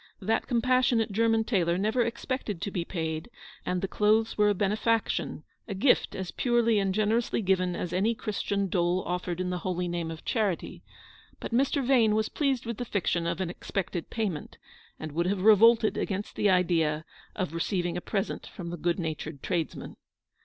That compas sionate German tailor never expected to be paid; and the clothes were a benefaction, a gift as THE ENTRESOL IX THE RUE DE I/ARCHEVEQUE. 29 purely and generously given as any Christian dole offered in the holy name of charity; bat Mr. Vane was pleased with the fiction of an expected payment, and would have revolted against the idea of receiving a present from the good natured tradesman.